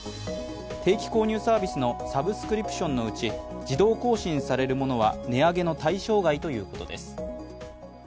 定期購入サービスのサブスクリプションのうち自動更新されるものは値上げの対象外ということです。